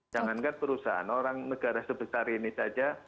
jangankan perusahaan orang negara sebesar ini saja